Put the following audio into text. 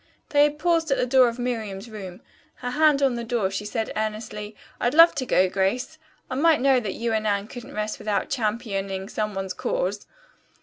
They had paused at the door of Miriam's room. Her hand on the door, she said earnestly, "I'd love to go, Grace. I might know that you and Anne couldn't rest without championing some one's cause."